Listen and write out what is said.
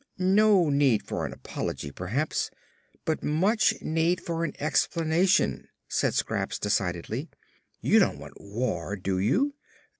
"No need for an apology, perhaps, but much need for an explanation," said Scraps decidedly. "You don't want war, do you?"